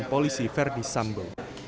dan polisi verdi sambo